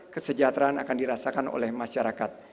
kesejahteraan akan dirasakan oleh masyarakat